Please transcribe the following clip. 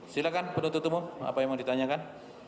silakan penonton penontonmu apa yang mau ditanyakan